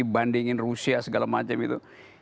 bandingin rusia segala macam itu